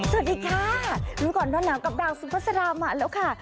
เฮ้ยสวัสดีค่ะรุ่นก่อนด้านหลังกับดังซุภาษฎามาแล้วค่ะ